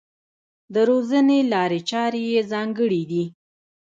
د روزنې لارې چارې یې ځانګړې دي.